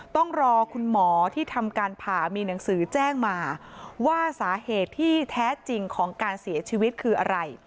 ต้องรอคุณหมอที่ทำการผ่ามีหนังสือแจ้งมาว่าสาเหตุที่แท้จริงของการเสียชีวิตคืออะไร